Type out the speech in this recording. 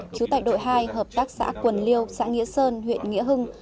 trú tại đội hai hợp tác xã quần liêu xã nghĩa sơn huyện nghĩa hưng